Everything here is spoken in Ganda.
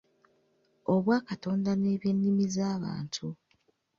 Obwakatonda n’ebyennimi z’abantu